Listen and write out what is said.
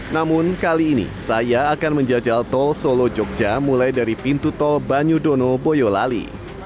namun kali ini saya akan menjajal tol solo jogja mulai dari pintu tol banyudono boyolali